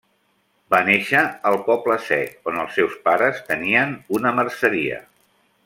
Va néixer al Poble Sec, on els seus pares tenien una merceria.